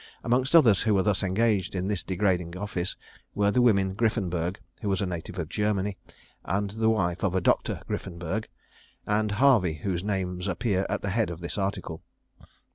Amongst others who were thus engaged in this degrading office were the women Griffenburg, who was a native of Germany, and the wife of a Dr. Griffenburg, and Harvey, whose names appear at the head of this article.